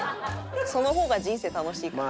その方が人生楽しいから。